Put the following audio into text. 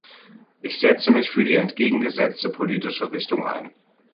Ich setze mich für die entgegengesetzte politische Richtung ein.